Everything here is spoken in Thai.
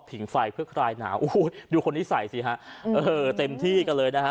ไฟเพื่อคลายหนาวโอ้โหดูคนที่ใส่สิฮะเออเต็มที่กันเลยนะฮะ